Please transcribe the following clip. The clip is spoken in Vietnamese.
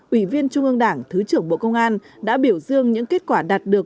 ủy viên trung ương đảng thứ trưởng bộ công an đã biểu dương những kết quả đạt được